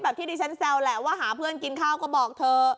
ที่ดิฉันแซวแหละว่าหาเพื่อนกินข้าวก็บอกเธอ